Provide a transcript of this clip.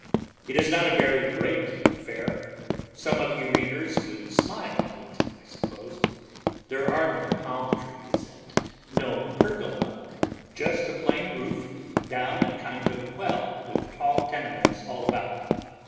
It is not a very great affair some of you readers would smile at it, I suppose. There are no palm trees and no "pergola," just a plain roof down in a kind of well with tall tenements all about.